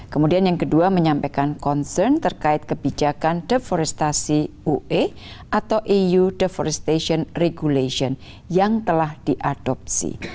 kedua concern terkait kebijakan deforestasi ue atau eu deforestation regulation yang telah diadopsi